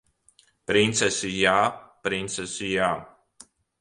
Princesi jā! Princesi jā!